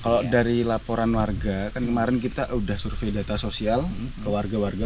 kalau dari laporan warga kan kemarin kita sudah survei data sosial ke warga warga